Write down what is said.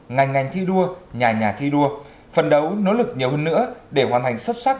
ngành ngành thi đua nhà nhà thi đua phần đấu nỗ lực nhiều hơn nữa để hoàn thành xuất sắc